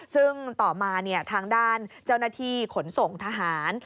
ซึ่งต่อมาทางด้านเจ้าหน้าที่ขนส่งทหาร